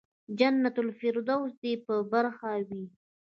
جنت الفردوس دې په برخه وي.